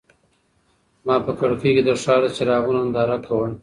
ما په کړکۍ کې د ښار د څراغونو ننداره کوله.